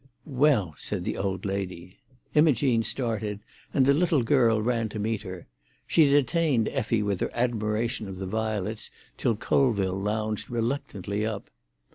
"Well," said the old lady. Imogene started, and the little girl ran to meet her. She detained Effie with her admiration of the violets till Colville lounged reluctantly up.